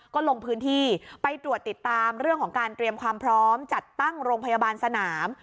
ก็ลงพื้นที่ไปตรวจติดตามเรื่องของการเตรียมความพร้อมจัดตั้งโรงพยาบาลสนาม